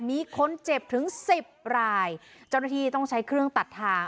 มีคนเจ็บถึงสิบรายเจ้าหน้าที่ต้องใช้เครื่องตัดทาง